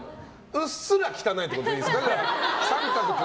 うっすら汚いってことでいいですか？